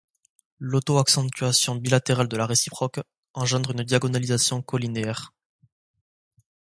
L'auto-accentuation bilatérale de la réciproque engendre une diagonalisation colinéaire.